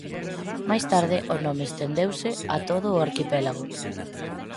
Máis tarde o nome estendeuse a todo o arquipélago.